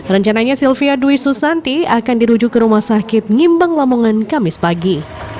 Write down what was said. rencananya sylvia dwi susanti akan dirujuk ke rumah sakit ngimbang lamongan kamis pagi